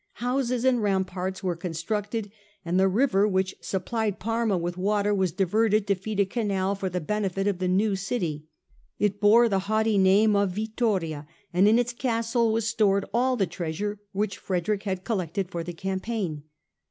Houses and ramparts were con structed, and the river which supplied Parma with water was diverted to feed a canal for the benefit of the new city. It bore the haughty name of Vittoria, and in its castle was stored all the treasure which Frederick had collected for the campaign.